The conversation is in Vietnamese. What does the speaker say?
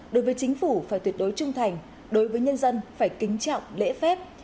đối với chính phủ phải tuyệt đối trung thành đối với nhân dân phải kính trọng lễ phép